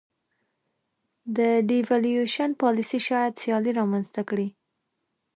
د devaluation پالیسي شاید سیالي رامنځته کړي.